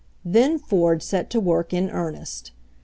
Then Ford set to work in earnest.